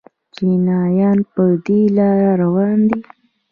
چینایان په دې لار روان دي.